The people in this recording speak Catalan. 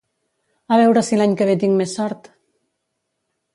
A veure si l'any que ve tinc més sort!